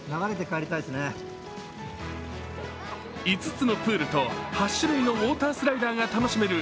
５つのプールと８種類のウォータースライダーが楽しめる